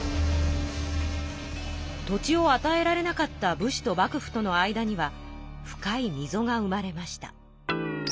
土地をあたえられなかった武士と幕府との間には深いみぞが生まれました。